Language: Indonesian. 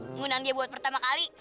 mengundang dia buat pertama kali